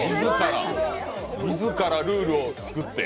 自らルールを作って。